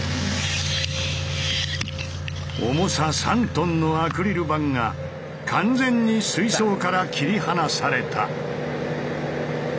重さ３ｔのアクリル板が完全に水槽から切り離された。